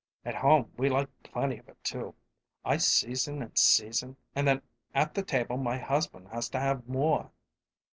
At home we like plenty of it, too. I season and season, and then at the table my husband has to have more."